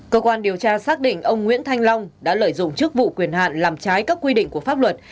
cơ quan điều tra xác định ông nguyễn thanh long đã lợi dụng chức vụ quyền hạn làm trái các quy định của pháp luật